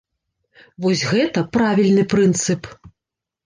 Вось гэта правільны прынцып.